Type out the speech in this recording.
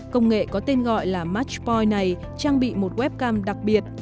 công nghệ có tên gọi là matchpoint này trang bị một webcam đặc biệt